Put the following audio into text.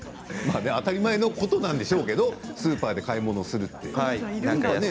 当たり前のことなんでしょうけれどスーパーで買い物をするとかね。